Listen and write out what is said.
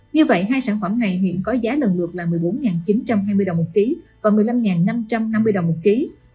như vậy hai sản phẩm này hiện có giá lần lượt là một mươi bốn chín trăm hai mươi đồng một ký và một mươi năm năm trăm năm mươi đồng một ký